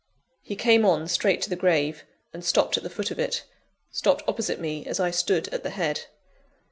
He came on straight to the grave, and stopped at the foot of it stopped opposite me, as I stood at the head.